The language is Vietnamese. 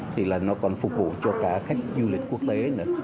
thì là nó còn phục vụ cho cả khách du lịch quốc tế nữa